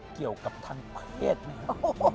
เกี่ยวกับทางเพศไหมครับ